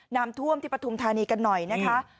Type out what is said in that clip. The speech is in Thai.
น้ำท่วมที่ปฐุมธานีกันหน่อยนะคะ